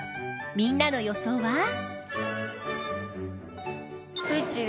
みんなの予想は？